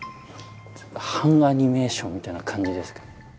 半アニメーションみたいな感じですけど。